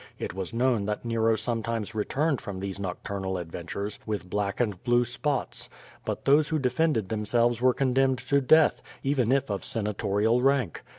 It was known that Nero sometimes returned from thes^ nocturnal adventures with black and blue spots. But those who defended themselves were condemned to death, even if of senatorial rank.